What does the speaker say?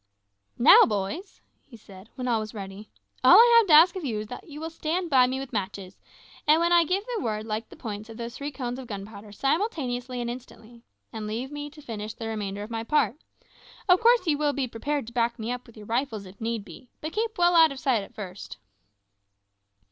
"Now, boys," he said, when all was ready, "all I have to ask of you is that you will stand by with matches, and when I give the word light the points of those three cones of gunpowder simultaneously and instantly, and leave me to finish the remainder of my part. Of course you will be prepared to back me up with your rifles if need be, but keep well out of sight at first."